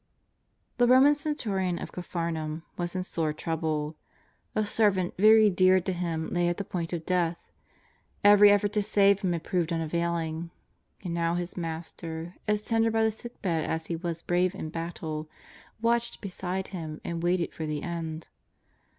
'* The Roman centurion of Capharnaum was in sore trouble. A servant very dear to him lay at the point of death, every effort to save him had proved unavailing, and now his master, as tender by the sickbed as he was brave in battle, watched beside him and waited for the end.